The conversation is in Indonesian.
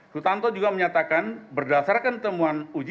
sutanto juga menyatakan berdasarkan temuan ujian